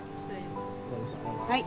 はい。